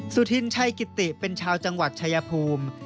สุธินชัยกิติเป็นชาวจังหวัดชายภูมิ